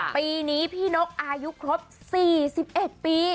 ปีนี้พี่นกอายุครบ๔๑ปี